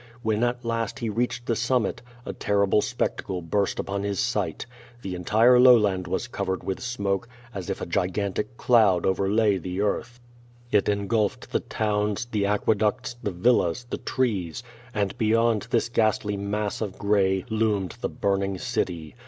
When at last he reached the summit, a terrible spectacle burst upon his sight. The entire lowland was cov ered with smoke, as if a gigantic cloud overlay the earth. It engulfed the towns, the aqueducts, the villas, the trees. And beyond this ghastly mass of gray, loomed the burning city.